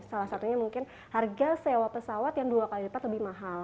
salah satunya mungkin harga sewa pesawat yang dua kali lipat lebih mahal